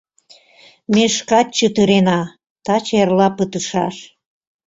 Ме шкат чытырена: таче-эрла пытышаш...